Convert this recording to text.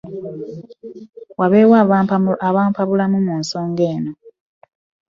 Wabeewo ampabulamu ku nsonga eno.